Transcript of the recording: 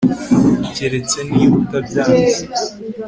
Keretse niba utabyanze